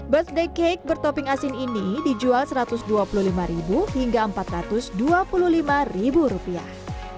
bird day cake bertopping asin ini dijual satu ratus dua puluh lima hingga empat ratus dua puluh lima rupiah